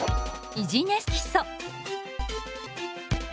ビジネス基礎。